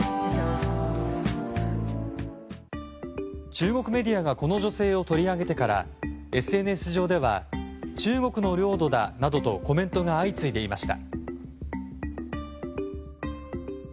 中国メディアがこの女性を取り上げてからＳＮＳ上では中国の領土だなどとコメントが相次いでいました。